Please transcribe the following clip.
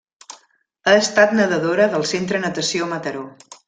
Ha estat nedadora del Centre Natació Mataró.